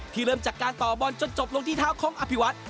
เริ่มจากการต่อบอลจนจบลงที่เท้าของอภิวัต